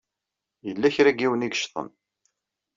Yella kra n yiwen i yeccḍen.